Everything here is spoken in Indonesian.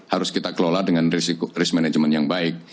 harus kita kelola dengan risk management yang baik